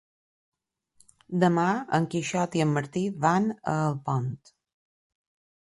Demà en Quixot i en Martí van a Alpont.